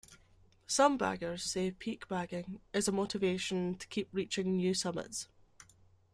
Some baggers say peak bagging is a motivation to keep reaching new summits.